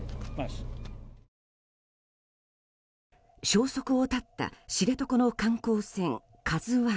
消息を絶った知床の観光船「ＫＡＺＵ１」。